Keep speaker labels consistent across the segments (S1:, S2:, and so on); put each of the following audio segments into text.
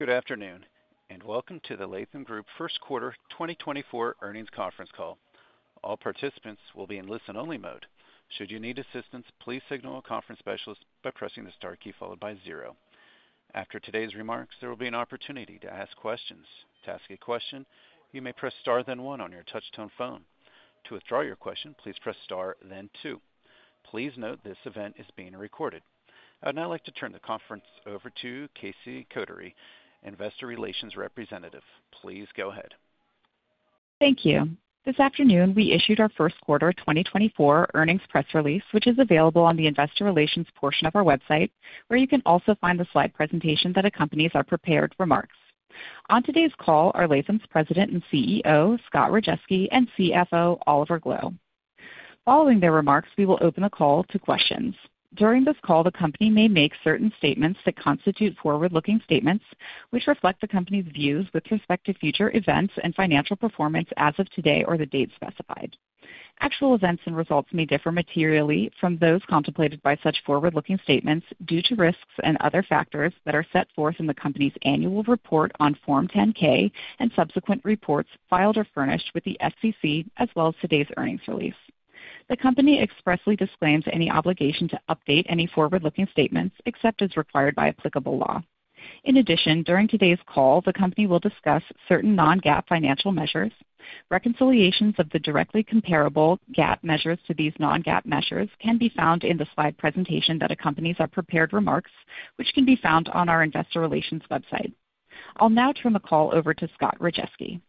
S1: Good afternoon, and welcome to the Latham Group first quarter 2024 earnings conference call. All participants will be in listen-only mode. Should you need assistance, please signal a conference specialist by pressing the star key followed by zero. After today's remarks, there will be an opportunity to ask questions. To ask a question, you may press star, then one on your touchtone phone. To withdraw your question, please press star, then two. Please note this event is being recorded. I would now like to turn the conference over to Casey Coudray, Investor Relations Representative. Please go ahead.
S2: Thank you. This afternoon, we issued our first quarter 2024 earnings press release, which is available on the investor relations portion of our website, where you can also find the slide presentation that accompanies our prepared remarks. On today's call are Latham's President and CEO, Scott Rajeski, and CFO, Oliver Gloe. Following their remarks, we will open the call to questions. During this call, the company may make certain statements that constitute forward-looking statements, which reflect the company's views with respect to future events and financial performance as of today or the date specified. Actual events and results may differ materially from those contemplated by such forward-looking statements due to risks and other factors that are set forth in the company's annual report on Form 10-K and subsequent reports filed or furnished with the SEC, as well as today's earnings release. The company expressly disclaims any obligation to update any forward-looking statements except as required by applicable law. In addition, during today's call, the company will discuss certain non-GAAP financial measures. Reconciliations of the directly comparable GAAP measures to these non-GAAP measures can be found in the slide presentation that accompanies our prepared remarks, which can be found on our investor relations website. I'll now turn the call over to Scott Rajeski.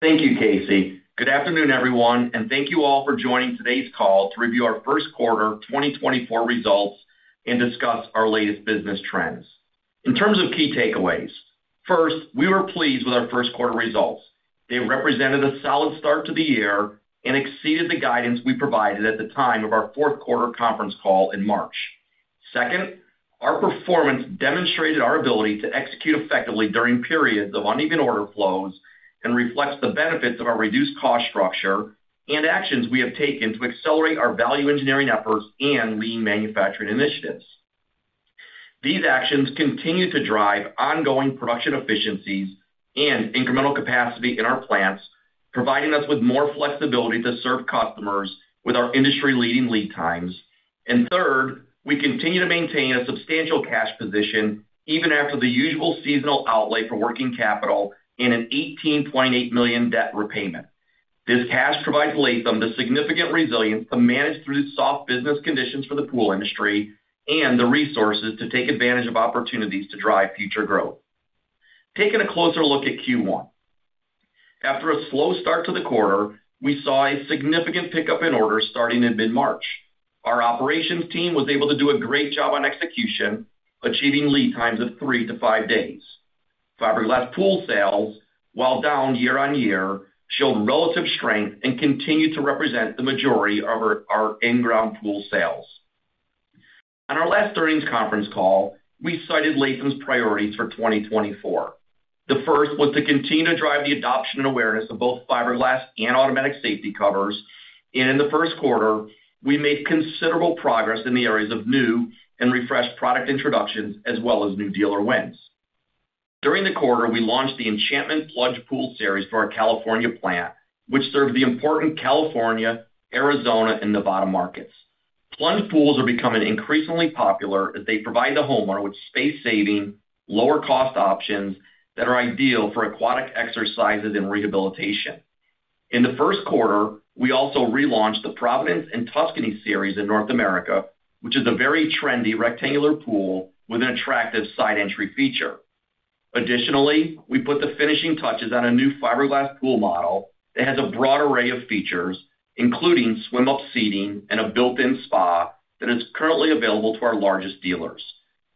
S3: Thank you, Casey. Good afternoon, everyone, and thank you all for joining today's call to review our first quarter 2024 results and discuss our latest business trends. In terms of key takeaways, first, we were pleased with our first quarter results. They represented a solid start to the year and exceeded the guidance we provided at the time of our fourth quarter conference call in March. Second, our performance demonstrated our ability to execute effectively during periods of uneven order flows and reflects the benefits of our reduced cost structure and actions we have taken to accelerate our value engineering efforts and lean manufacturing initiatives. These actions continue to drive ongoing production efficiencies and incremental capacity in our plants, providing us with more flexibility to serve customers with our industry-leading lead times. Third, we continue to maintain a substantial cash position even after the usual seasonal outlay for working capital and an $18.8 million debt repayment. This cash provides Latham the significant resilience to manage through soft business conditions for the pool industry and the resources to take advantage of opportunities to drive future growth. Taking a closer look at Q1. After a slow start to the quarter, we saw a significant pickup in orders starting in mid-March. Our operations team was able to do a great job on execution, achieving lead times of three-five days. Fiberglass pool sales, while down year-over-year, showed relative strength and continued to represent the majority of our in-ground pool sales. On our last earnings conference call, we cited Latham's priorities for 2024. The first was to continue to drive the adoption and awareness of both fiberglass and automatic safety covers, and in the first quarter, we made considerable progress in the areas of new and refreshed product introductions, as well as new dealer wins. During the quarter, we launched the Enchantment Plunge Pool Series for our California plant, which serves the important California, Arizona, and Nevada markets. Plunge pools are becoming increasingly popular as they provide the homeowner with space-saving, lower-cost options that are ideal for aquatic exercises and rehabilitation. In the first quarter, we also relaunched the Providence and Tuscany series in North America, which is a very trendy rectangular pool with an attractive side entry feature. Additionally, we put the finishing touches on a new fiberglass pool model that has a broad array of features, including swim-up seating and a built-in spa that is currently available to our largest dealers.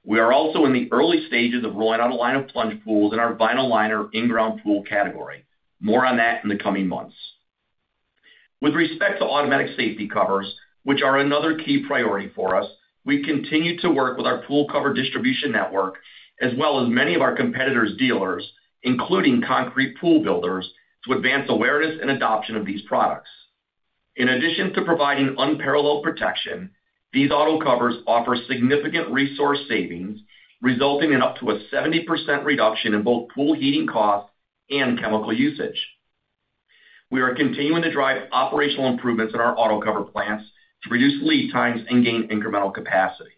S3: We are also in the early stages of rolling out a line of plunge pools in our vinyl liner in-ground pool category. More on that in the coming months. With respect to automatic safety covers, which are another key priority for us, we continue to work with our pool cover distribution network, as well as many of our competitors' dealers, including concrete pool builders, to advance awareness and adoption of these products. In addition to providing unparalleled protection, these auto covers offer significant resource savings, resulting in up to a 70% reduction in both pool heating costs and chemical usage. We are continuing to drive operational improvements in our auto cover plants to reduce lead times and gain incremental capacity.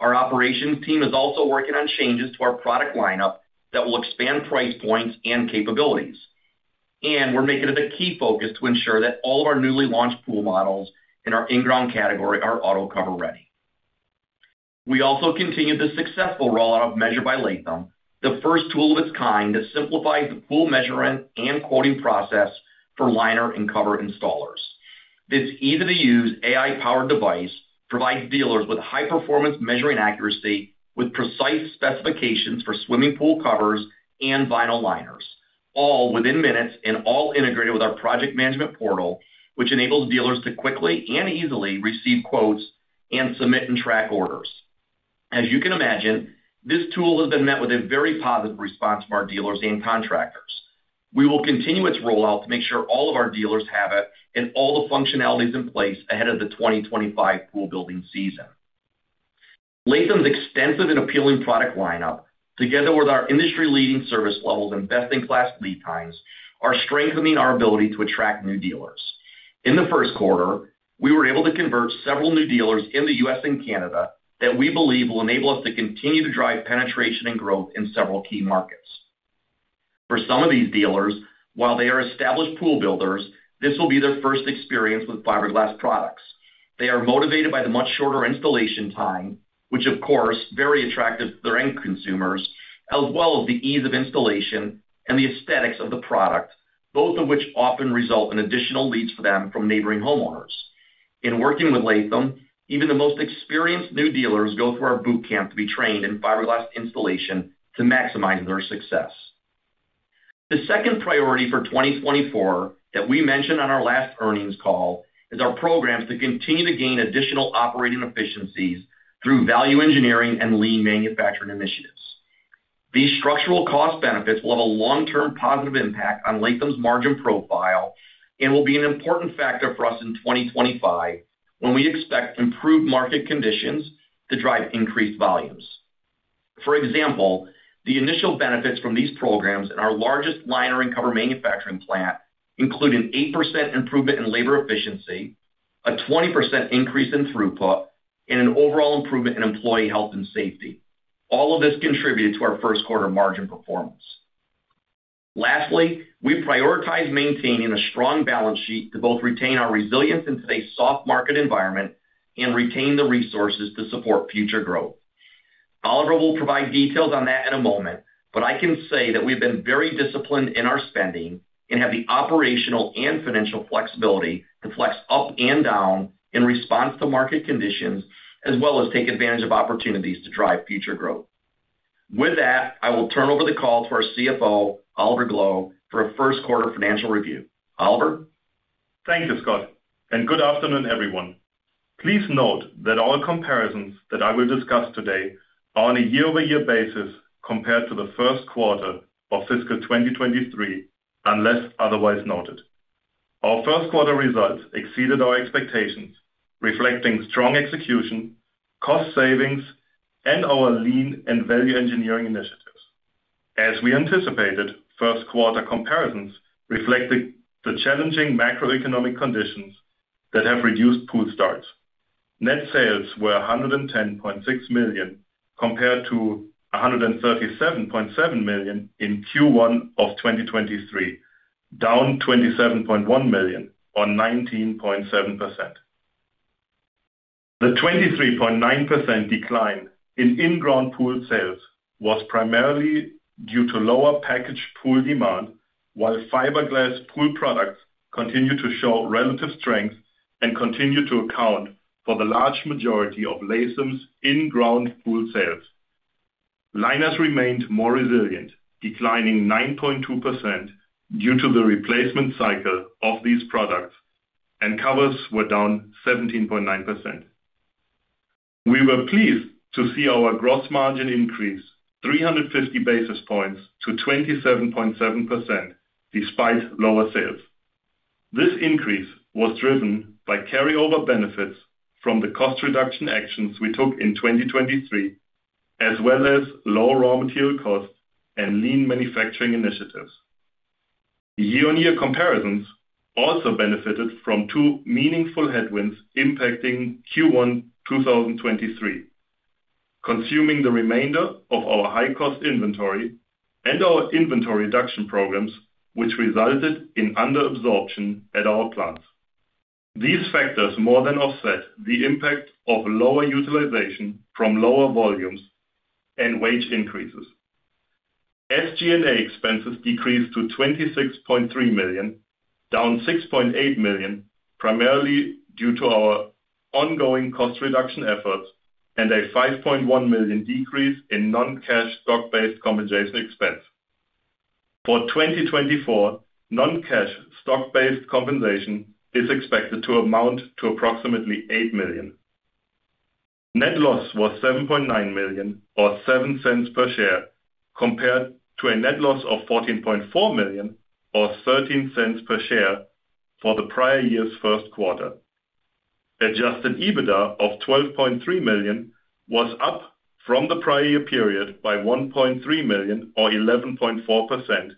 S3: Our operations team is also working on changes to our product lineup that will expand price points and capabilities, and we're making it a key focus to ensure that all of our newly launched pool models in our in-ground category are auto-cover ready. We also continued the successful rollout of Measure by Latham, the first tool of its kind to simplify the pool measurement and quoting process for liner and cover installers. This easy-to-use, AI-powered device provides dealers with high-performance measuring accuracy, with precise specifications for swimming pool covers and vinyl liners, all within minutes and all integrated with our project management portal, which enables dealers to quickly and easily receive quotes and submit and track orders. As you can imagine, this tool has been met with a very positive response from our dealers and contractors. We will continue its rollout to make sure all of our dealers have it, and all the functionalities in place ahead of the 2025 pool building season. Latham's extensive and appealing product lineup, together with our industry-leading service levels and best-in-class lead times, are strengthening our ability to attract new dealers. In the first quarter, we were able to convert several new dealers in the US and Canada, that we believe will enable us to continue to drive penetration and growth in several key markets. For some of these dealers, while they are established pool builders, this will be their first experience with fiberglass products. They are motivated by the much shorter installation time, which of course, very attractive to their end consumers, as well as the ease of installation and the aesthetics of the product, both of which often result in additional leads for them from neighboring homeowners. In working with Latham, even the most experienced new dealers go through our Boot Camp to be trained in fiberglass installation to maximize their success. The second priority for 2024 that we mentioned on our last earnings call, is our programs to continue to gain additional operating efficiencies through value engineering and lean manufacturing initiatives. These structural cost benefits will have a long-term positive impact on Latham's margin profile and will be an important factor for us in 2025, when we expect improved market conditions to drive increased volumes. For example, the initial benefits from these programs in our largest liner and cover manufacturing plant include an 8% improvement in labor efficiency, a 20% increase in throughput, and an overall improvement in employee health and safety. All of this contributed to our first quarter margin performance. Lastly, we prioritize maintaining a strong balance sheet to both retain our resilience in today's soft market environment and retain the resources to support future growth. Oliver will provide details on that in a moment, but I can say that we've been very disciplined in our spending, and have the operational and financial flexibility to flex up and down in response to market conditions, as well as take advantage of opportunities to drive future growth. With that, I will turn over the call to our CFO, Oliver Gloe, for a first quarter financial review. Oliver?
S4: Thank you, Scott, and good afternoon, everyone. Please note that all comparisons that I will discuss today are on a year-over-year basis compared to the first quarter of fiscal 2023, unless otherwise noted. Our first quarter results exceeded our expectations, reflecting strong execution, cost savings, and our lean and value Engineering initiatives. As we anticipated, first quarter comparisons reflected the challenging macroeconomic conditions that have reduced pool starts. Net sales were $110.6 million, compared to $137.7 million in Q1 of 2023, down $27.1 million on 19.7%. The 23.9% decline in in-ground pool sales was primarily due to lower packaged pool demand, while fiberglass pool products continued to show relative strength and continued to account for the large majority of Latham's in-ground pool sales. Liners remained more resilient, declining 9.2% due to the replacement cycle of these products, and covers were down 17.9%. We were pleased to see our gross margin increase 350 basis points to 27.7%, despite lower sales. This increase was driven by carryover benefits from the cost reduction actions we took in 2023, as well as lower raw material costs and lean manufacturing initiatives. Year-on-year comparisons also benefited from two meaningful headwinds impacting Q1 2023, consuming the remainder of our high-cost inventory and our inventory reduction programs, which resulted in under absorption at our plants. These factors more than offset the impact of lower utilization from lower volumes and wage increases. SG&A expenses decreased to $26.3 million, down $6.8 million, primarily due to our ongoing cost reduction efforts and a $5.1 million decrease in non-cash stock-based compensation expense. For 2024, non-cash stock-based compensation is expected to amount to approximately $8 million. Net loss was $7.9 million, or $0.07 per share, compared to a net loss of $14.4 million, or $0.13 per share, for the prior year's first quarter. Adjusted EBITDA of $12.3 million was up from the prior year period by $1.3 million, or 11.4%,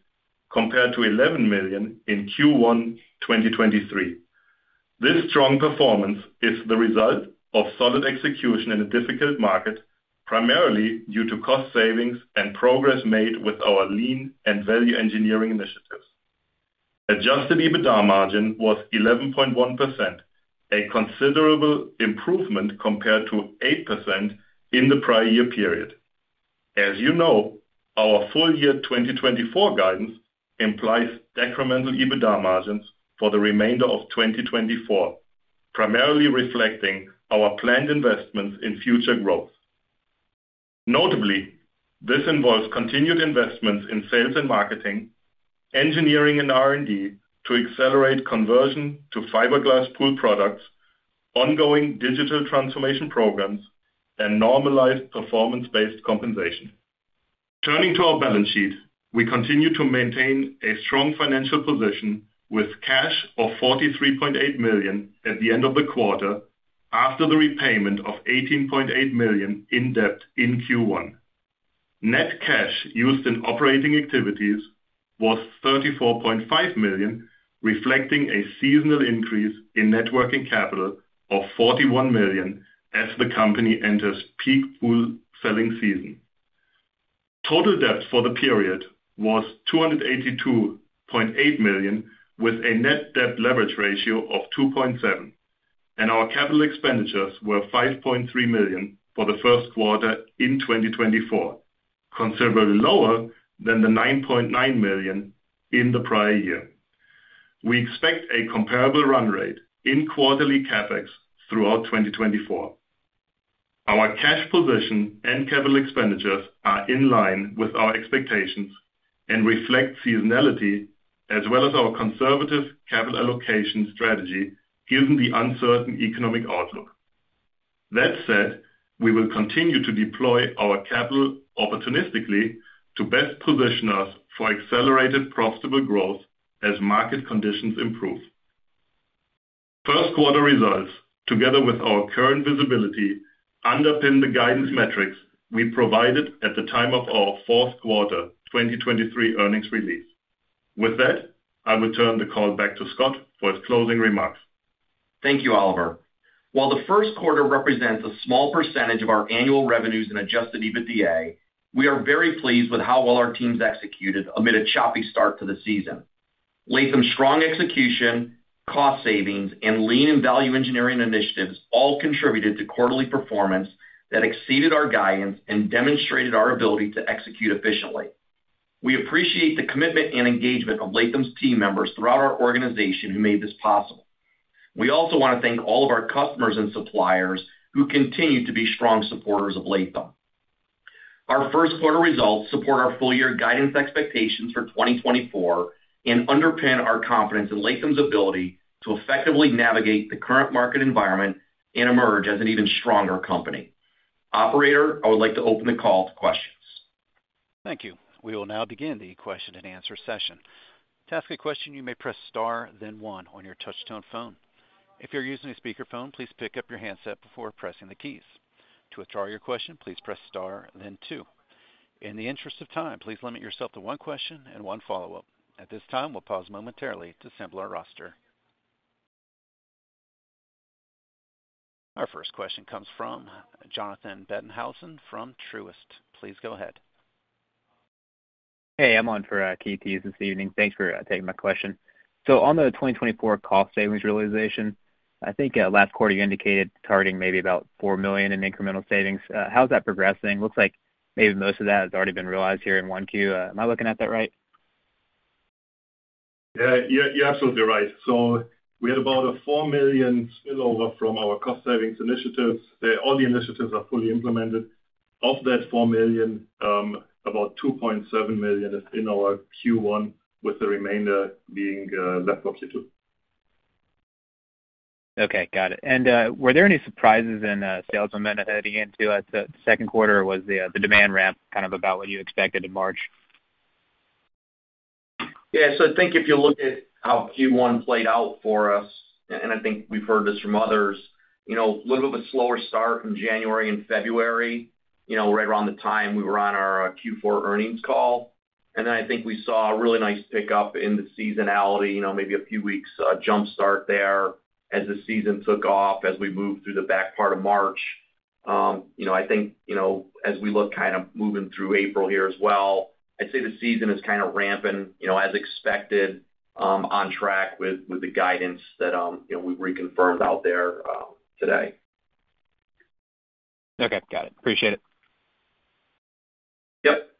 S4: compared to $11 million in Q1 2023. This strong performance is the result of solid execution in a difficult market, primarily due to cost savings and progress made with our lean and value engineering initiatives. Adjusted EBITDA margin was 11.1%, a considerable improvement compared to 8% in the prior year period. As you know, our full year 2024 guidance implies incremental EBITDA margins for the remainder of 2024, primarily reflecting our planned investments in future growth. Notably, this involves continued investments in sales and marketing, engineering, and R&D, to accelerate conversion to fiberglass pool products,... ongoing digital transformation programs, and normalized performance-based compensation. Turning to our balance sheet, we continue to maintain a strong financial position with cash of $43.8 million at the end of the quarter, after the repayment of $18.8 million in debt in Q1. Net cash used in operating activities was $34.5 million, reflecting a seasonal increase in net working capital of $41 million as the company enters peak pool selling season. Total debt for the period was $282.8 million, with a net debt leverage ratio of 2.7, and our capital expenditures were $5.3 million for the first quarter in 2024, considerably lower than the $9.9 million in the prior year. We expect a comparable run rate in quarterly CapEx throughout 2024. Our cash position and capital expenditures are in line with our expectations and reflect seasonality, as well as our conservative capital allocation strategy, given the uncertain economic outlook. That said, we will continue to deploy our capital opportunistically to best position us for accelerated profitable growth as market conditions improve. First quarter results, together with our current visibility, underpin the guidance metrics we provided at the time of our fourth quarter 2023 earnings release. With that, I will turn the call back to Scott for his closing remarks.
S3: Thank you, Oliver. While the first quarter represents a small percentage of our annual revenues in Adjusted EBITDA, we are very pleased with how well our teams executed amid a choppy start to the season. Latham's strong execution, cost savings, and lean and value engineering initiatives all contributed to quarterly performance that exceeded our guidance and demonstrated our ability to execute efficiently. We appreciate the commitment and engagement of Latham's team members throughout our organization who made this possible. We also want to thank all of our customers and suppliers who continue to be strong supporters of Latham. Our first quarter results support our full year guidance expectations for 2024 and underpin our confidence in Latham's ability to effectively navigate the current market environment and emerge as an even stronger company. Operator, I would like to open the call to questions.
S1: Thank you. We will now begin the question-and-answer session. To ask a question, you may press Star, then one on your touchtone phone. If you're using a speakerphone, please pick up your handset before pressing the keys. To withdraw your question, please press Star, then two. In the interest of time, please limit yourself to one question and one follow-up. At this time, we'll pause momentarily to assemble our roster. Our first question comes from Jonathan Bettenhausen from Truist. Please go ahead.
S5: Hey, I'm on for Keith this evening. Thanks for taking my question. So on the 2024 cost savings realization, I think last quarter you indicated targeting maybe about $4 million in incremental savings. How's that progressing? Looks like maybe most of that has already been realized here in 1Q. Am I looking at that right?
S4: Yeah, you're absolutely right. So we had about a $4 million spillover from our cost savings initiatives. All the initiatives are fully implemented. Of that $4 million, about $2.7 million is in our Q1, with the remainder being left up to Q2.
S5: Okay, got it. And, were there any surprises in sales momentum heading into the second quarter, or was the demand ramp kind of about what you expected in March?
S3: Yeah, so I think if you look at how Q1 played out for us, and I think we've heard this from others, you know, a little bit slower start in January and February, you know, right around the time we were on our Q4 earnings call. And then I think we saw a really nice pickup in the seasonality, you know, maybe a few weeks jump-start there as the season took off, as we moved through the back part of March. You know, I think, you know, as we look kind of moving through April here as well, I'd say the season is kind of ramping, you know, as expected, on track with the guidance that you know, we've reconfirmed out there today.
S5: Okay, got it. Appreciate it.
S3: Yep.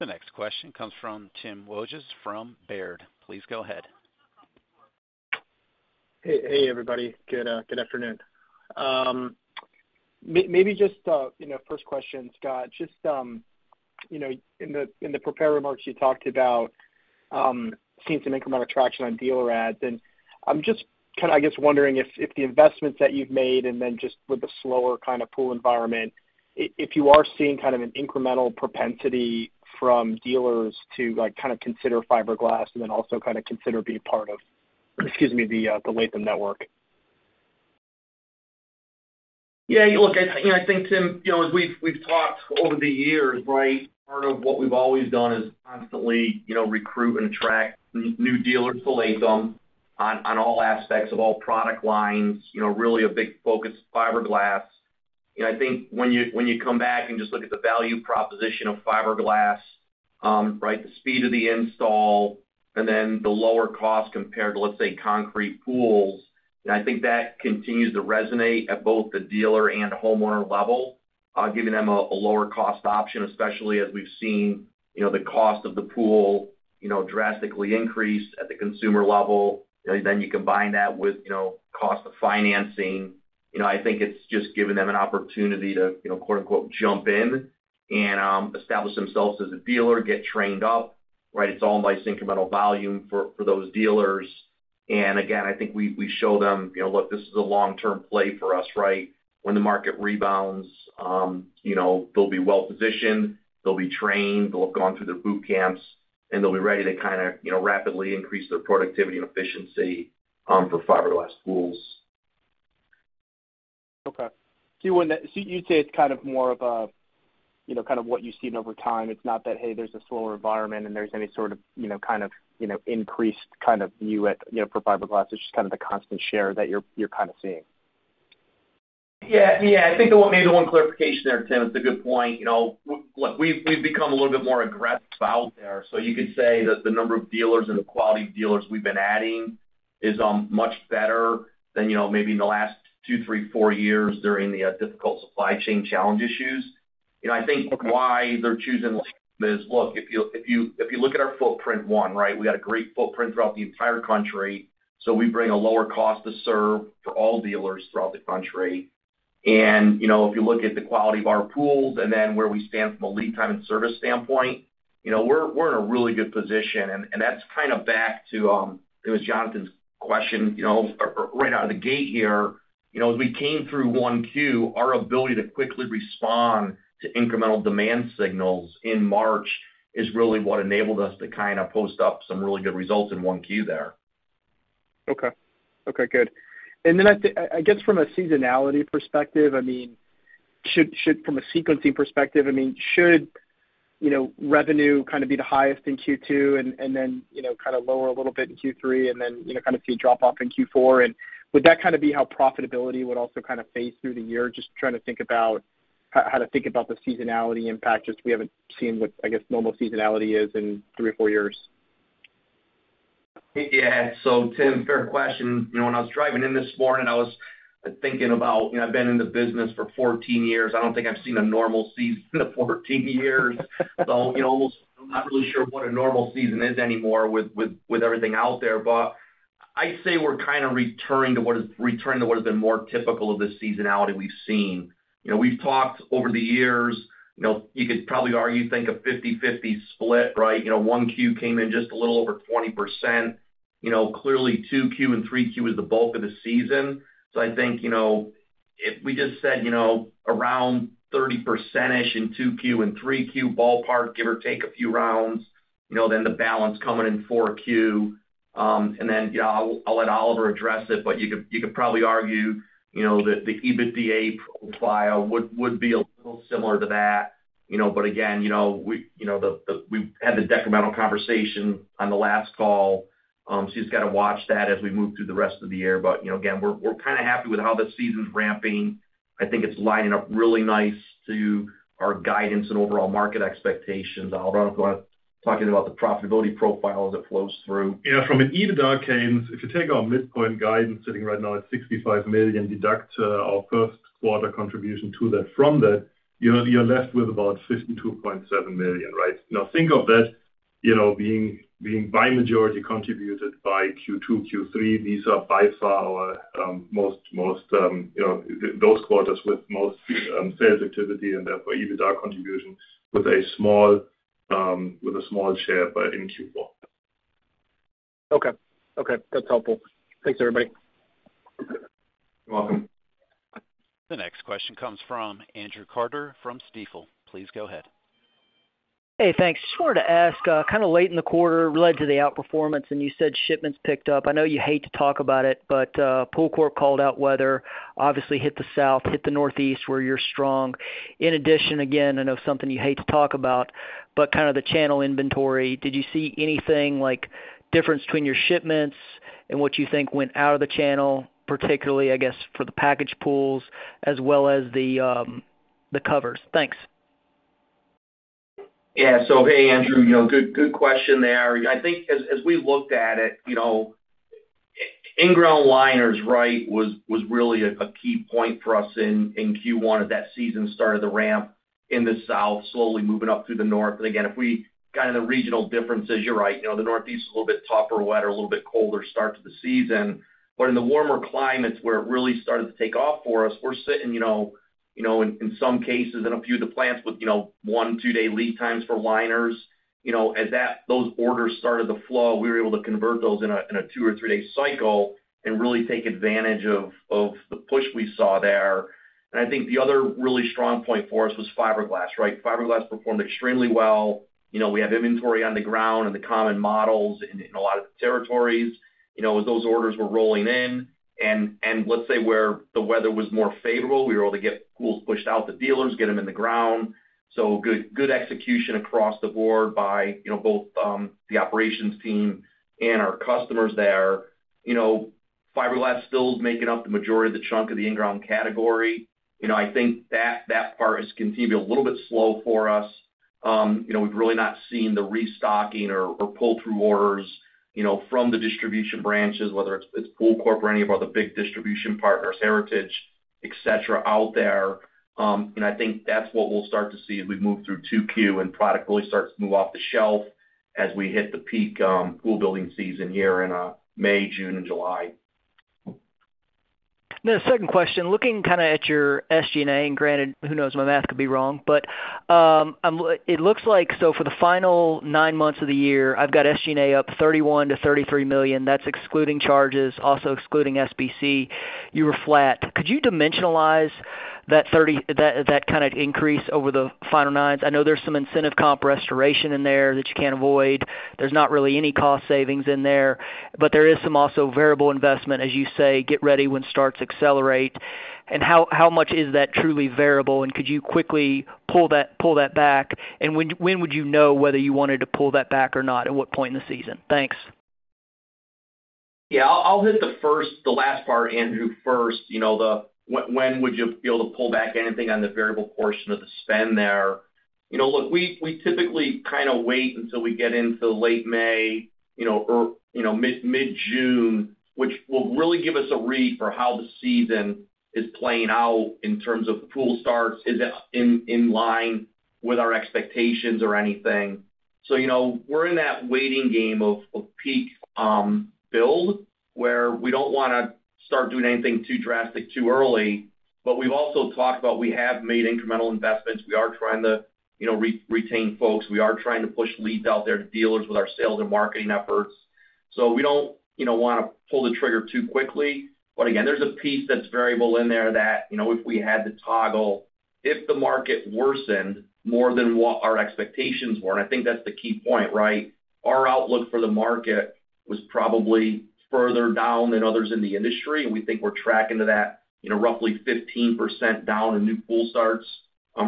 S1: The next question comes from Tim Wojs from Baird. Please go ahead.
S6: Hey, hey, everybody. Good, good afternoon. Maybe just, you know, first question, Scott, just, you know, in the prepared remarks, you talked about seeing some incremental traction on dealer ads, and I'm just kind of, I guess, wondering if the investments that you've made, and then just with the slower kind of pool environment, if you are seeing kind of an incremental propensity from dealers to, like, kind of consider fiberglass and then also kind of consider being part of, excuse me, the Latham network.
S3: Yeah, look, you know, I think, Tim, you know, as we've talked over the years, right? Part of what we've always done is constantly, you know, recruit and attract new dealers to Latham on all aspects of all product lines, you know, really a big focus, fiberglass. You know, I think when you come back and just look at the value proposition of fiberglass, right, the speed of the install, and then the lower cost compared to, let's say, concrete pools, and I think that continues to resonate at both the dealer and homeowner level, giving them a lower cost option, especially as we've seen, you know, the cost of the pool, you know, drastically increase at the consumer level. Then you combine that with, you know, cost of financing. You know, I think it's just given them an opportunity to, you know, quote, unquote, "jump in" and establish themselves as a dealer, get trained up… Right? It's all nice incremental volume for those dealers. And again, I think we show them, you know, look, this is a long-term play for us, right? When the market rebounds, you know, they'll be well-positioned, they'll be trained, they'll have gone through their boot camps, and they'll be ready to kind of, you know, rapidly increase their productivity and efficiency for fiberglass pools.
S6: Okay. So you'd say it's kind of more of a, you know, kind of what you've seen over time. It's not that, hey, there's a slower environment, and there's any sort of, you know, kind of, you know, increased kind of view at, you know, for fiberglass. It's just kind of the constant share that you're kind of seeing.
S3: Yeah. Yeah, I think the one, maybe the one clarification there, Tim, it's a good point. You know, look, we've, we've become a little bit more aggressive out there. So you could say that the number of dealers and the quality of dealers we've been adding is much better than, you know, maybe in the last two, three, four years during the difficult supply chain challenge issues. You know, I think why they're choosing is, look, if you, if you, if you look at our footprint, one, right? We got a great footprint throughout the entire country, so we bring a lower cost to serve for all dealers throughout the country. You know, if you look at the quality of our pools and then where we stand from a lead time and service standpoint, you know, we're, we're in a really good position, and, and that's kind of back to, it was Jonathan's question, you know, right out of the gate here. You know, as we came through 1Q, our ability to quickly respond to incremental demand signals in March is really what enabled us to kind of post up some really good results in 1Q there.
S6: Okay. Okay, good. And then I guess from a seasonality perspective, I mean, should... From a sequencing perspective, I mean, should, you know, revenue kind of be the highest in Q2, and then, you know, kind of lower a little bit in Q3, and then, you know, kind of see a drop-off in Q4? And would that kind of be how profitability would also kind of phase through the year? Just trying to think about how to think about the seasonality impact, just we haven't seen what, I guess, normal seasonality is in three or four years.
S3: Yeah. So Tim, fair question. You know, when I was driving in this morning, I was thinking about, you know, I've been in the business for 14 years. I don't think I've seen a normal season in the 14 years. So, you know, almost I'm not really sure what a normal season is anymore with, with, with everything out there. But I'd say we're kind of returning to what is- returning to what has been more typical of the seasonality we've seen. You know, we've talked over the years, you know, you could probably argue, think a 50/50 split, right? You know, Q1 came in just a little over 20%. You know, clearly, 2Q and 3Q is the bulk of the season. So I think, you know, if we just said, you know, around 30%-ish in 2Q and 3Q ballpark, give or take a few rounds, you know, then the balance coming in 4Q. And then, you know, I'll let Oliver address it, but you could probably argue, you know, that the EBITDA profile would be a little similar to that. You know, but again, you know, we, you know, the we've had the decremental conversation on the last call. So you just got to watch that as we move through the rest of the year. But, you know, again, we're kind of happy with how the season's ramping. I think it's lining up really nice to our guidance and overall market expectations. Oliver, go ahead, talking about the profitability profile as it flows through.
S4: Yeah, from an EBITDA cadence, if you take our midpoint guidance, sitting right now at $65 million, deduct our first quarter contribution to that, from that, you know, you're left with about $52.7 million, right? Now, think of that, you know, being, being by majority contributed by Q2, Q3. These are by far our most, most you know, those quarters with most sales activity, and therefore, EBITDA contribution with a small, with a small share, but in Q4.
S6: Okay. Okay, that's helpful. Thanks, everybody.
S3: You're welcome.
S1: The next question comes from Andrew Carter from Stifel. Please go ahead.
S7: Hey, thanks. Just wanted to ask, kind of late in the quarter led to the outperformance, and you said shipments picked up. I know you hate to talk about it, but PoolCorp called out weather, obviously hit the South, hit the Northeast, where you're strong. In addition, again, I know something you hate to talk about, but kind of the channel inventory, did you see anything like difference between your shipments and what you think went out of the channel, particularly, I guess, for the package pools as well as the covers? Thanks.
S3: Yeah. So hey, Andrew, you know, good, good question there. I think as we looked at it, you know, in-ground liners, right, was really a key point for us in Q1 of that season, started the ramp in the South, slowly moving up through the North. But again, kind of the regional differences, you're right. You know, the Northeast is a little bit tougher, wetter, a little bit colder start to the season. But in the warmer climates, where it really started to take off for us, we're sitting, you know, in some cases, in a few of the plants with, you know, 1-2-day lead times for liners. You know, as that, those orders started to flow, we were able to convert those in a 2- or 3-day cycle and really take advantage of the push we saw there. And I think the other really strong point for us was fiberglass, right? Fiberglass performed extremely well. You know, we have inventory on the ground and the common models in a lot of the territories. You know, as those orders were rolling in, and let's say, where the weather was more favorable, we were able to get pools pushed out to dealers, get them in the ground. So good, good execution across the board by, you know, both the operations team and our customers there. You know, fiberglass still making up the majority of the chunk of the in-ground category. You know, I think that part has continued a little bit slow for us. You know, we've really not seen the restocking or pull-through orders, you know, from the distribution branches, whether it's PoolCorp or any of our other big distribution partners, Heritage, et cetera, out there. And I think that's what we'll start to see as we move through 2Q, and product really starts to move off the shelf as we hit the peak pool building season here in May, June, and July. ...
S7: And then a second question, looking kind of at your SG&A, and granted, who knows, my math could be wrong, but, I'm – it looks like, so for the final nine months of the year, I've got SG&A up $31-$33 million. That's excluding charges, also excluding SBC, you were flat. Could you dimensionalize that thirty – that, that kind of increase over the final nine? I know there's some incentive comp restoration in there that you can't avoid. There's not really any cost savings in there, but there is some also variable investment, as you say, get ready when starts accelerate. And how, how much is that truly variable? And could you quickly pull that, pull that back? And when, when would you know whether you wanted to pull that back or not, at what point in the season? Thanks.
S3: Yeah, I'll hit the last part, Andrew, first. You know, when would you be able to pull back anything on the variable portion of the spend there? You know, look, we typically kind of wait until we get into late May, you know, or, you know, mid-June, which will really give us a read for how the season is playing out in terms of pool starts. Is that in line with our expectations or anything? So, you know, we're in that waiting game of peak build, where we don't want to start doing anything too drastic too early. But we've also talked about we have made incremental investments. We are trying to, you know, retain folks. We are trying to push leads out there to dealers with our sales and marketing efforts. So we don't, you know, want to pull the trigger too quickly. But again, there's a piece that's variable in there that, you know, if we had to toggle, if the market worsened more than what our expectations were, and I think that's the key point, right? Our outlook for the market was probably further down than others in the industry, and we think we're tracking to that, you know, roughly 15% down in new pool starts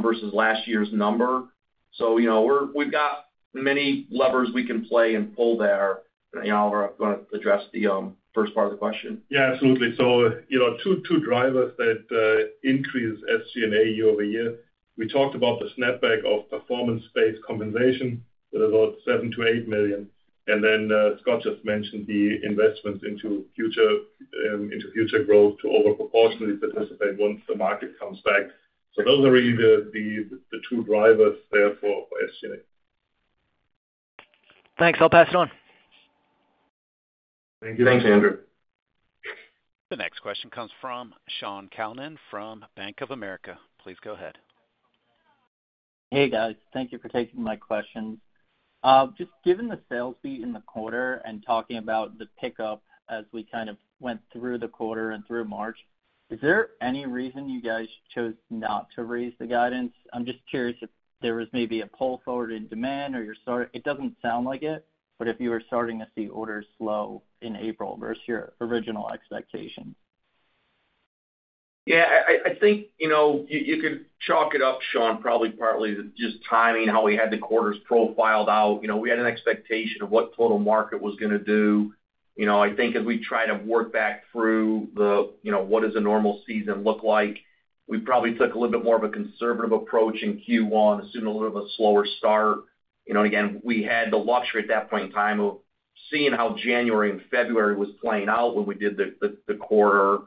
S3: versus last year's number. So you know, we've got many levers we can play and pull there. And Oliver, you want to address the first part of the question?
S4: Yeah, absolutely. So, you know, two drivers that increased SG&A year-over-year. We talked about the snapback of performance-based compensation with about $7 million-$8 million. And then, Scott just mentioned the investments into future growth to over proportionally participate once the market comes back. So those are really the two drivers there for SG&A.
S7: Thanks. I'll pass it on.
S3: Thank you.
S4: Thanks, Andrew.
S1: The next question comes from Shaun Calnan from Bank of America. Please go ahead.
S8: Hey, guys. Thank you for taking my questions. Just given the sales beat in the quarter and talking about the pickup as we kind of went through the quarter and through March, is there any reason you guys chose not to raise the guidance? I'm just curious if there was maybe a pull forward in demand. It doesn't sound like it, but if you were starting to see orders slow in April versus your original expectation.
S3: Yeah, I think, you know, you could chalk it up, Shaun, probably partly to just timing, how we had the quarters profiled out. You know, we had an expectation of what total market was going to do. You know, I think as we try to work back through the, you know, what does a normal season look like, we probably took a little bit more of a conservative approach in Q1, assumed a little of a slower start. You know, again, we had the luxury at that point in time of seeing how January and February was playing out when we did the quarter.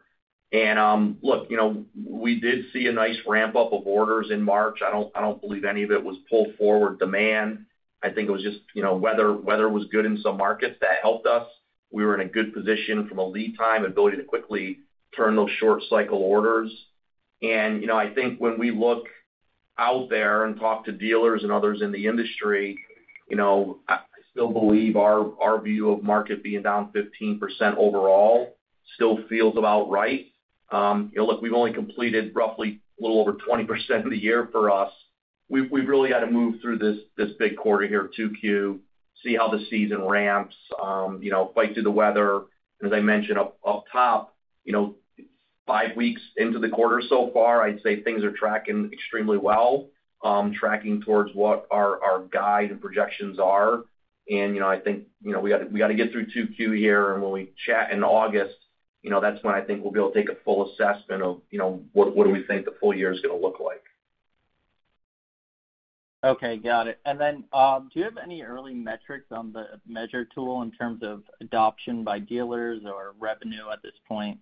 S3: Look, you know, we did see a nice ramp-up of orders in March. I don't believe any of it was pulled forward demand. I think it was just, you know, weather. Weather was good in some markets. That helped us. We were in a good position from a lead time and ability to quickly turn those short cycle orders. You know, I think when we look out there and talk to dealers and others in the industry, you know, I still believe our view of market being down 15% overall still feels about right. You know, look, we've only completed roughly a little over 20% of the year for us. We've really got to move through this big quarter here, 2Q, see how the season ramps, you know, fight through the weather. As I mentioned up top, you know, five weeks into the quarter so far, I'd say things are tracking extremely well, tracking towards what our guide and projections are. You know, I think we got to get through 2Q here, and when we chat in August, you know, that's when I think we'll be able to take a full assessment of you know what do we think the full year is going to look like.
S8: Okay, got it. And then, do you have any early metrics on the measure tool in terms of adoption by dealers or revenue at this point?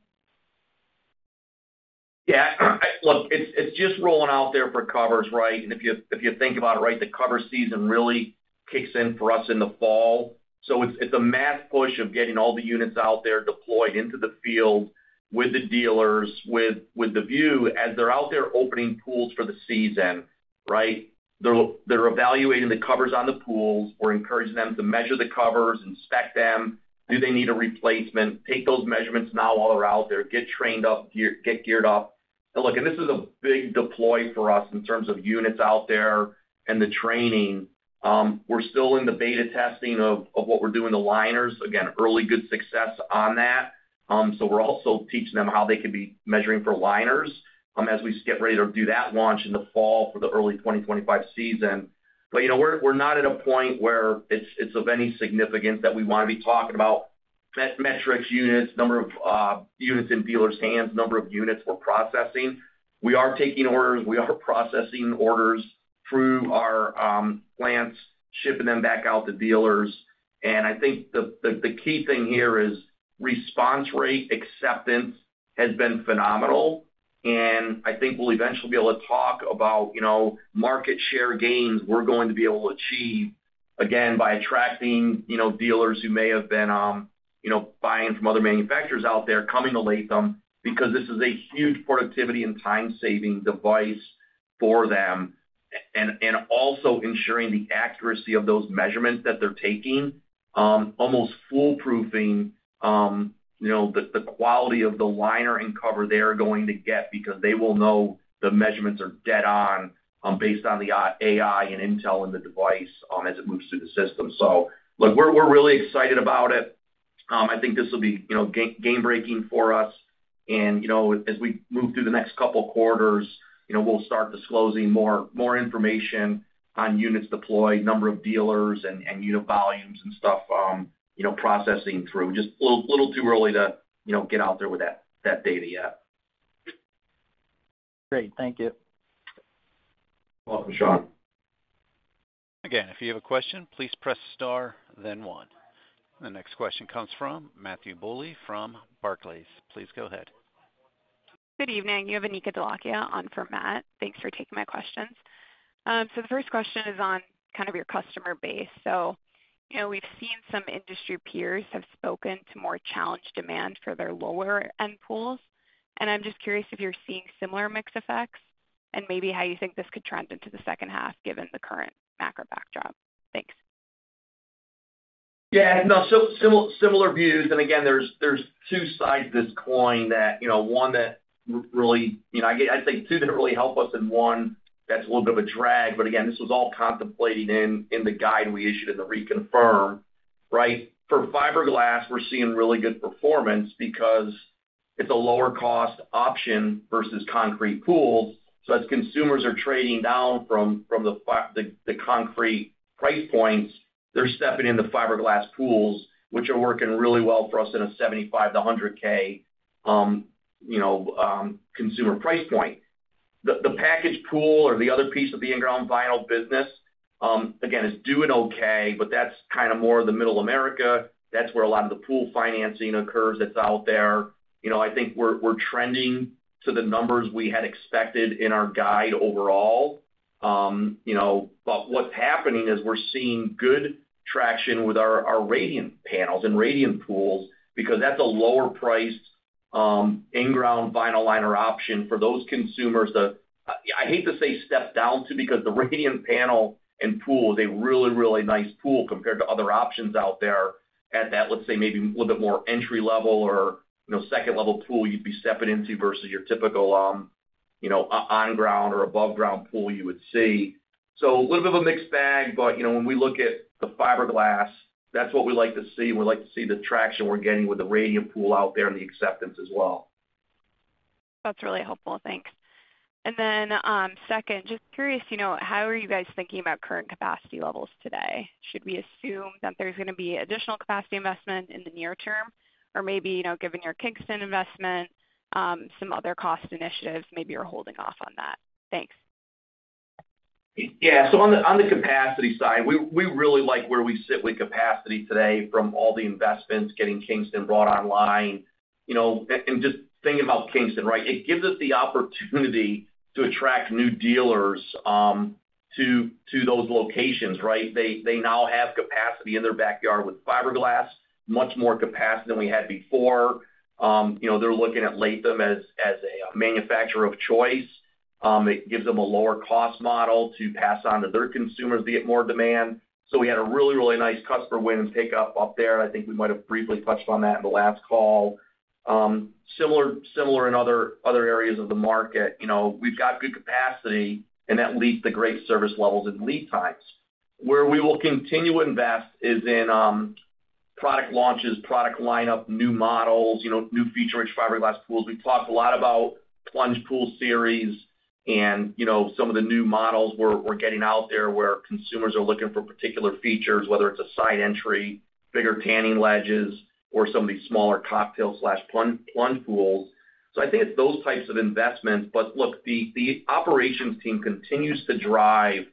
S3: Yeah, look, it's, it's just rolling out there for covers, right? And if you, if you think about it, right, the cover season really kicks in for us in the fall. So it's, it's a mass push of getting all the units out there deployed into the field with the dealers, with, with the view. As they're out there opening pools for the season, right, they're, they're evaluating the covers on the pools. We're encouraging them to measure the covers, inspect them. Do they need a replacement? Take those measurements now while they're out there, get trained up, get geared up. So look, and this is a big deploy for us in terms of units out there and the training. We're still in the beta testing of, of what we're doing, the liners. Again, early good success on that. So we're also teaching them how they can be measuring for liners, as we get ready to do that launch in the fall for the early 2025 season. But, you know, we're, we're not at a point where it's, it's of any significance that we want to be talking about metrics, units, number of units in dealers' hands, number of units we're processing. We are taking orders. We are processing orders through our plants, shipping them back out to dealers. And I think the key thing here is response rate acceptance has been phenomenal, and I think we'll eventually be able to talk about, you know, market share gains we're going to be able to achieve.... Again, by attracting, you know, dealers who may have been, you know, buying from other manufacturers out there, coming to Latham, because this is a huge productivity and time-saving device for them, and also ensuring the accuracy of those measurements that they're taking, almost foolproofing, you know, the quality of the liner and cover they are going to get because they will know the measurements are dead on, based on the AI and intel in the device, as it moves through the system. So look, we're really excited about it. I think this will be, you know, game breaking for us. And, you know, as we move through the next couple of quarters, you know, we'll start disclosing more information on units deployed, number of dealers, and unit volumes and stuff, you know, processing through. Just a little too early to, you know, get out there with that data yet.
S8: Great. Thank you.
S3: You're welcome, Shaun.
S1: Again, if you have a question, please press star, then one. The next question comes from Matthew Bouley from Barclays. Please go ahead.
S9: Good evening. You have Anika Dholakia on for Matt. Thanks for taking my questions. So, the first question is on kind of your customer base. So, you know, we've seen some industry peers have spoken to more challenged demand for their lower-end pools, and I'm just curious if you're seeing similar mix effects and maybe how you think this could trend into the second half, given the current macro backdrop? Thanks.
S3: Yeah, no, so similar views, and again, there's two sides to this coin that, you know, one, that really, you know, I'd say two that really help us, and one that's a little bit of a drag. But again, this was all contemplated in the guide we issued in the reconfirm, right? For fiberglass, we're seeing really good performance because it's a lower cost option versus concrete pools. So as consumers are trading down from the concrete price points, they're stepping into fiberglass pools, which are working really well for us in a $75K-$100K, you know, consumer price point. The packaged pool or the other piece of the in-ground vinyl business, again, is doing okay, but that's kind of more of the Middle America. That's where a lot of the pool financing occurs that's out there. You know, I think we're trending to the numbers we had expected in our guide overall. You know, but what's happening is we're seeing good traction with our Radiant panels and Radiant pools because that's a lower priced in-ground vinyl liner option for those consumers that... I hate to say step down to, because the Radiant panel and pool is a really, really nice pool compared to other options out there at that, let's say, maybe a little bit more entry level or, you know, second level pool you'd be stepping into versus your typical, you know, on ground or above ground pool you would see. So a little bit of a mixed bag, but, you know, when we look at the fiberglass, that's what we like to see. We like to see the traction we're getting with the Radiant pool out there and the acceptance as well.
S9: That's really helpful. Thanks. And then, second, just curious, you know, how are you guys thinking about current capacity levels today? Should we assume that there's going to be additional capacity investment in the near term, or maybe, you know, given your Kingston investment, some other cost initiatives, maybe you're holding off on that? Thanks.
S3: Yeah. So on the capacity side, we really like where we sit with capacity today from all the investments, getting Kingston brought online. You know, and just thinking about Kingston, right? It gives us the opportunity to attract new dealers to those locations, right? They now have capacity in their backyard with fiberglass, much more capacity than we had before. You know, they're looking at Latham as a manufacturer of choice. It gives them a lower cost model to pass on to their consumers to get more demand. So we had a really, really nice customer win and take up up there. I think we might have briefly touched on that in the last call. Similar in other areas of the market. You know, we've got good capacity, and that leads to great service levels and lead times. Where we will continue to invest is in product launches, product lineup, new models, you know, new feature-rich fiberglass pools. We've talked a lot about plunge pool series and, you know, some of the new models we're getting out there, where consumers are looking for particular features, whether it's a side entry, bigger tanning ledges, or some of these smaller cocktail plunge pools. So I think it's those types of investments. But look, the operations team continues to drive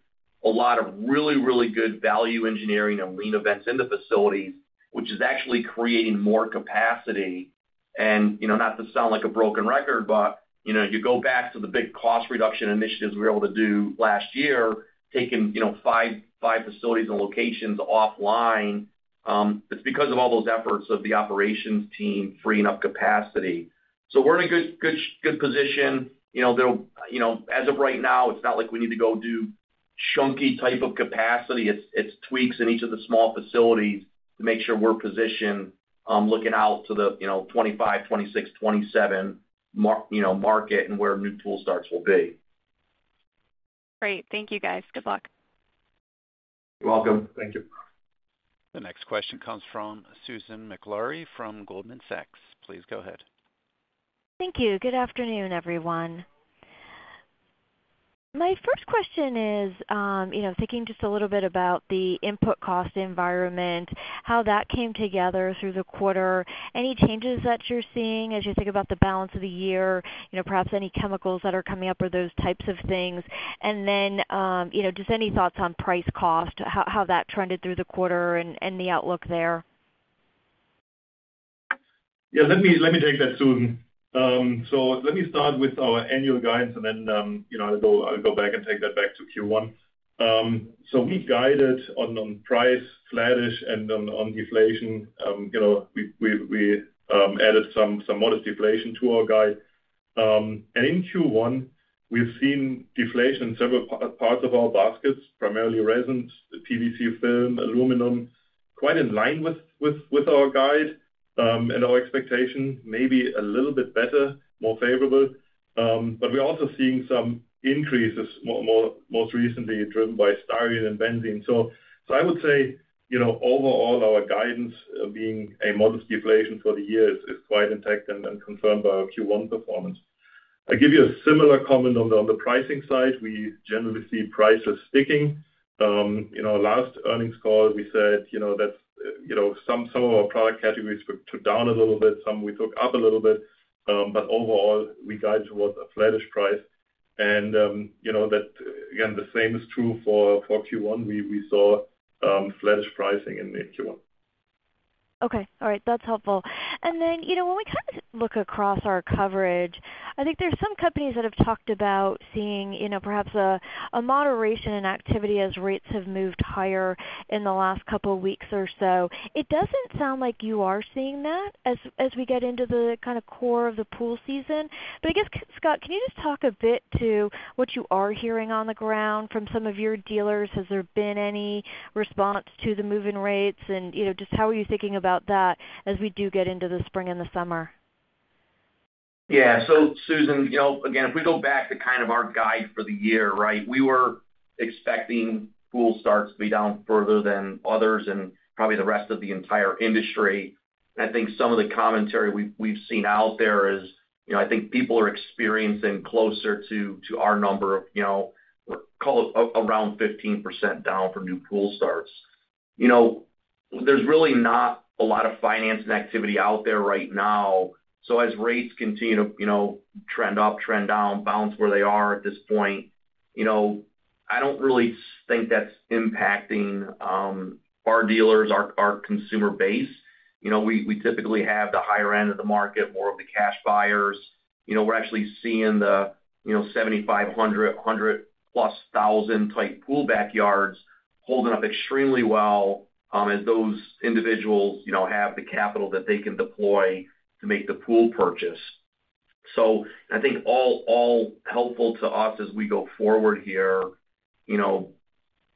S3: a lot of really, really good value engineering and lean events in the facilities, which is actually creating more capacity. And, you know, not to sound like a broken record, but, you know, you go back to the big cost reduction initiatives we were able to do last year, taking, you know, 5, 5 facilities and locations offline, it's because of all those efforts of the operations team freeing up capacity. So we're in a good, good, good position. You know, there'll, you know, as of right now, it's not like we need to go do chunky type of capacity. It's, it's tweaks in each of the small facilities to make sure we're positioned, looking out to the, you know, 2025, 2026, 2027 market and where new pool starts will be.
S9: Great. Thank you, guys. Good luck.
S3: You're welcome. Thank you.
S1: The next question comes from Susan Maklari from Goldman Sachs. Please go ahead.
S10: Thank you. Good afternoon, everyone. My first question is, you know, thinking just a little bit about the input cost environment, how that came together through the quarter. Any changes that you're seeing as you think about the balance of the year, you know, perhaps any chemicals that are coming up or those types of things? And then, you know, just any thoughts on price cost, how that trended through the quarter and the outlook there?...
S4: Yeah, let me take that, Susan. So let me start with our annual guidance, and then, you know, I'll go back and take that back to Q1. So we guided on price flattish, and then on deflation, you know, we added some modest deflation to our guide. And in Q1, we've seen deflation in several parts of our baskets, primarily resins, the PVC film, aluminum, quite in line with our guide, and our expectation, maybe a little bit better, more favorable. But we're also seeing some increases, more most recently driven by styrene and benzene. So I would say, you know, overall, our guidance, being a modest deflation for the year, is quite intact and confirmed by our Q1 performance. I'll give you a similar comment on the pricing side. We generally see prices sticking. You know, last earnings call, we said, you know, that some of our product categories took down a little bit, some we took up a little bit, but overall, we guide towards a flattish price. You know, that again the same is true for Q1. We saw flattish pricing in Q1.
S10: Okay, all right. That's helpful. And then, you know, when we kind of look across our coverage, I think there's some companies that have talked about seeing, you know, perhaps a moderation in activity as rates have moved higher in the last couple weeks or so. It doesn't sound like you are seeing that, as we get into the kind of core of the pool season. But I guess, Scott, can you just talk a bit to what you are hearing on the ground from some of your dealers? Has there been any response to the move in rates? And, you know, just how are you thinking about that as we do get into the spring and the summer?
S3: Yeah. So, Susan, you know, again, if we go back to kind of our guide for the year, right? We were expecting pool starts to be down further than others and probably the rest of the entire industry. I think some of the commentary we've seen out there is, you know, I think people are experiencing closer to our number of, you know, call it around 15% down for new pool starts. You know, there's really not a lot of financing activity out there right now. So as rates continue to, you know, trend up, trend down, bounce where they are at this point, you know, I don't really think that's impacting our dealers, our consumer base. You know, we typically have the higher end of the market, more of the cash buyers. You know, we're actually seeing, you know, $75,000, $100,000, $100,000-plus type pool backyards holding up extremely well, as those individuals, you know, have the capital that they can deploy to make the pool purchase. So I think all helpful to us as we go forward here, you know.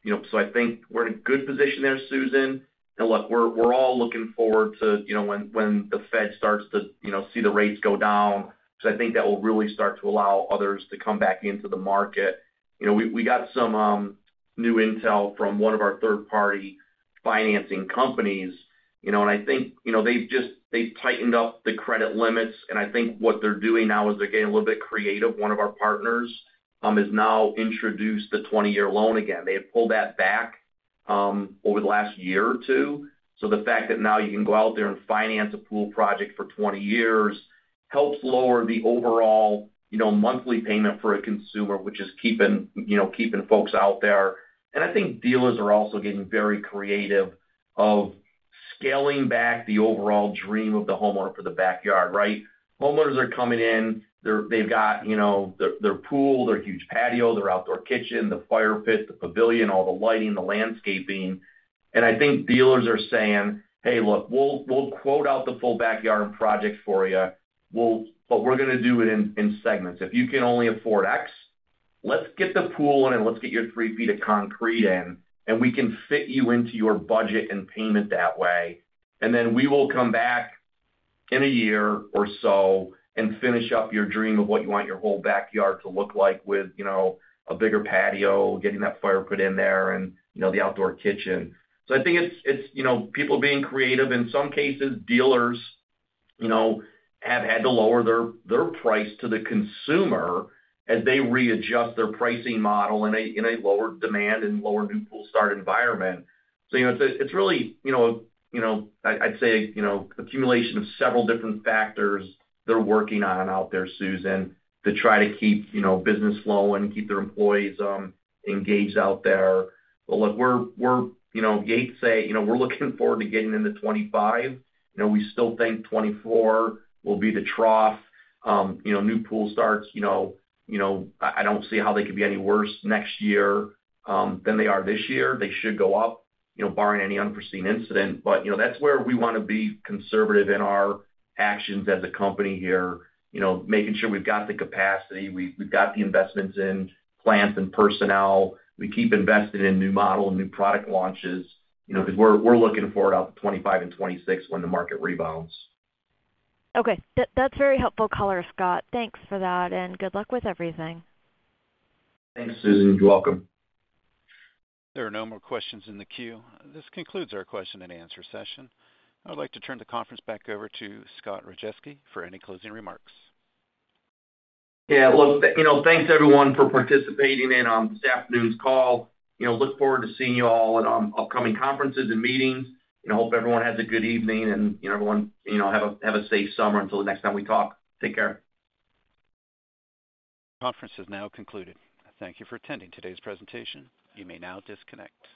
S3: You know, so I think we're in a good position there, Susan. And look, we're all looking forward to, you know, when the Fed starts to, you know, see the rates go down, because I think that will really start to allow others to come back into the market. You know, we got some new intel from one of our third-party financing companies, you know, and I think, you know, they've just tightened up the credit limits, and I think what they're doing now is they're getting a little bit creative. One of our partners has now introduced the 20-year loan again. They had pulled that back over the last year or two. So the fact that now you can go out there and finance a pool project for 20 years helps lower the overall, you know, monthly payment for a consumer, which is keeping, you know, keeping folks out there. And I think dealers are also getting very creative of scaling back the overall dream of the homeowner for the backyard, right? Homeowners are coming in, they're, they've got, you know, their, their pool, their huge patio, their outdoor kitchen, the fire pit, the pavilion, all the lighting, the landscaping. And I think dealers are saying, "Hey, look, we'll, we'll quote out the full backyard project for you. We'll, but we're gonna do it in, in segments. If you can only afford X, let's get the pool in, and let's get your three feet of concrete in, and we can fit you into your budget and payment that way. And then we will come back in a year or so and finish up your dream of what you want your whole backyard to look like with, you know, a bigger patio, getting that fire pit in there and, you know, the outdoor kitchen." So I think it's, you know, people being creative. In some cases, dealers, you know, have had to lower their price to the consumer as they readjust their pricing model in a lower demand and lower new pool start environment. So, you know, it's really, you know, you know, I'd say, you know, accumulation of several different factors they're working on out there, Susan, to try to keep, you know, business flowing, keep their employees engaged out there. But look, we're. You know, we say, you know, we're looking forward to getting into 2025. You know, we still think 2024 will be the trough. You know, new pool starts, you know, you know, I don't see how they could be any worse next year than they are this year. They should go up, you know, barring any unforeseen incident. But, you know, that's where we want to be conservative in our actions as a company here, you know, making sure we've got the capacity, we've got the investments in plants and personnel. We keep investing in new model and new product launches, you know, because we're looking for it out in 2025 and 2026 when the market rebounds.
S10: Okay. That's very helpful color, Scott. Thanks for that, and good luck with everything.
S3: Thanks, Susan. You're welcome.
S1: There are no more questions in the queue. This concludes our question and answer session. I would like to turn the conference back over to Scott Rajeski for any closing remarks.
S3: Yeah, well, you know, thanks, everyone, for participating in this afternoon's call. You know, look forward to seeing you all at upcoming conferences and meetings. I hope everyone has a good evening, and, you know, everyone, you know, have a, have a safe summer until the next time we talk. Take care.
S1: Conference is now concluded. Thank you for attending today's presentation. You may now disconnect.